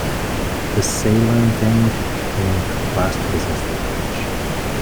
The Seilern family became the last to possess the village.